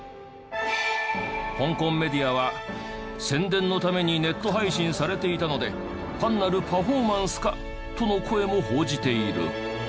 香港メディアは「宣伝のためにネット配信されていたので単なるパフォーマンスか？」との声も報じている。